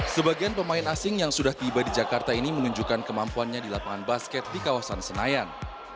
sebagian pemain asing yang sudah tiba di jakarta ini menunjukkan kemampuannya di lapangan basket di kawasan senayan